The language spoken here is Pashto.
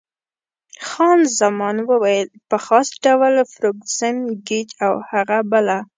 خان زمان وویل: په خاص ډول فرګوسن، ګېج او هغه بله.